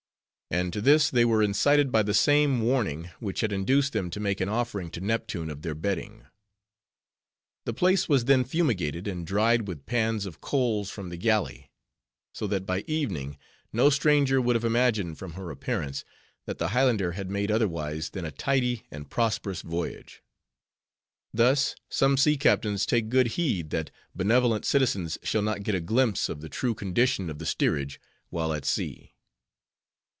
And to this they were incited by the same warning which had induced them to make an offering to Neptune of their bedding. The place was then fumigated, and dried with pans of coals from the galley; so that by evening, no stranger would have imagined, from her appearance, that the Highlander had made otherwise than a tidy and prosperous voyage. Thus, some sea captains take good heed that benevolent citizens shall not get a glimpse of the true condition of the steerage while at sea.